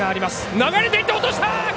流れていって落とした。